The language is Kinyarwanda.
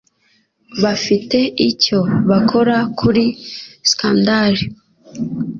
Bafite icyo bakora kuri scandal.